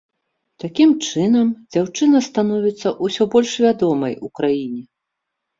Такім чынам дзяўчына становіцца ўсё больш вядомай у краіне.